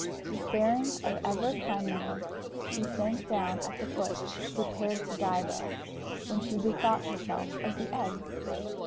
Despairing of ever climbing it, she sank down at the foot, prepared to die there, when she bethought herself of the eggs.